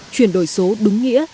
chuyển đổi số đúng nghĩa